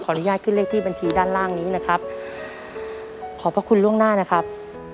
อนุญาตขึ้นเลขที่บัญชีด้านล่างนี้นะครับขอบพระคุณล่วงหน้านะครับ